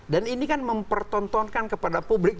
dan ini kan mempertontonkan kepada publik